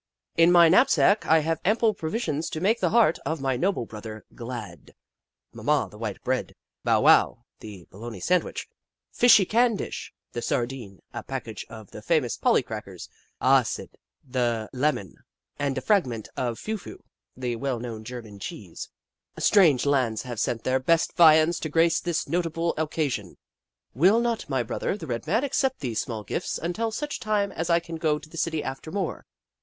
In my knapsack I have ample provisions to make the heart of my noble brother glad — Ma Ma, the white bread, Bow Wow, the Bologna sausage, Fishy Can Dish, the sar dine, a package of the famous Polly crackers, Ah Sid, the lemon, and a fragment of Phew Kitchi Kitchi 85 Phew, the well known German cheese. Strange lands have sent their best viands to grace this notable occasion. Will not my brother, the Red Man, accept these small gifts until such time as I can go to the city after more